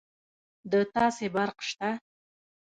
د تاسي برق شته